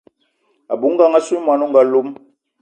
A bou ngang assou y mwani o nga lom.